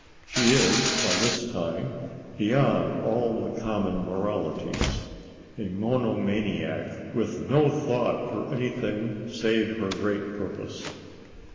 She is, by this time, beyond all the common moralities—a monomaniac with no thought for anything save her great purpose.